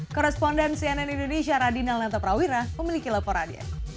korresponden cnn indonesia radina lanta prawira memiliki laporan